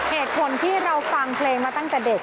เหตุผลที่เราฟังเพลงมาตั้งแต่เด็ก